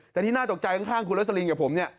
ที่น่าตกใจข้างคุณเล๊วเซอริงกับผม